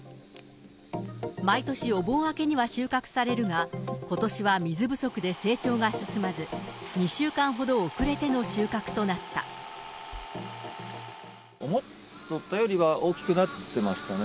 毎年お盆明けには収穫されるが、ことしは水不足で成長が進まず、思っていたよりは大きくなってますかね。